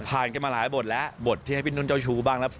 กันมาหลายบทแล้วบทที่ให้พี่นุ่นเจ้าชู้บ้างแล้ว